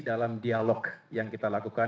dalam dialog yang kita lakukan